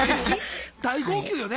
大号泣よね。